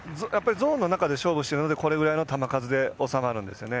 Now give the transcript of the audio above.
ゾーンの中で勝負しているのでこれぐらいの球数で収まるんですよね。